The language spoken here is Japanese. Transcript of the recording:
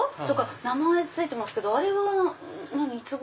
名前付いてますけどあれはいつ頃。